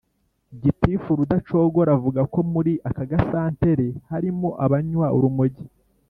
gitifu rudacogora avuga ko muri aka gasantere harimo abanywa urumogi